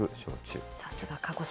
さすが鹿児島。